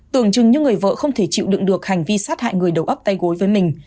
tưởng chừng như người vợ không thể chịu đựng được hành vi sát hại người đầu ấp tay gối với mình